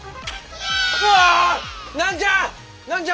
うわ！何じゃ！